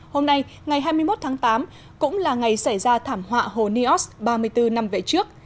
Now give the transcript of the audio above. hôm nay ngày hai mươi một tháng tám cũng là ngày xảy ra thảm họa hồ neos ba mươi bốn năm về trước